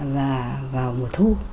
và vào mùa thu